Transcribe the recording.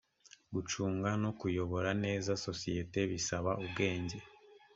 gucunga no kuyobora neza sosiyete bisaba ubwenjye